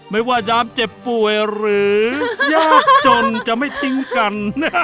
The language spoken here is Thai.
ไม่ว่ายามเจ็บป่วยหรือยากจนจะไม่ทิ้งกัน